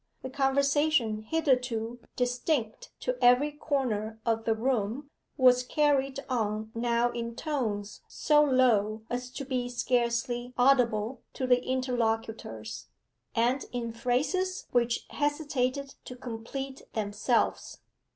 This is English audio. The conversation, hitherto distinct to every corner of the room, was carried on now in tones so low as to be scarcely audible to the interlocutors, and in phrases which hesitated to complete themselves.